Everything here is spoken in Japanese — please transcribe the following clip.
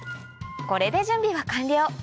これで準備は完了！